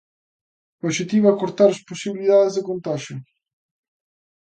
O obxectivo é cortar as posibilidades de contaxio.